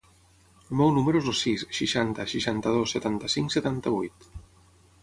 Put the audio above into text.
El meu número es el sis, seixanta, seixanta-dos, setanta-cinc, setanta-vuit.